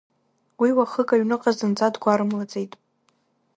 Уи уахык аҩныҟа зынӡа дгәарымлаӡеит.